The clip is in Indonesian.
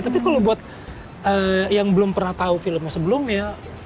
tapi kalau buat yang belum pernah tahu filmnya sebelumnya